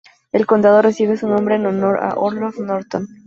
El condado recibe su nombre en honor a Orloff Norton.